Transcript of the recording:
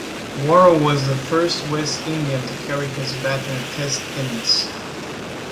Worrell was the First West Indian to carry his bat in a Test innings.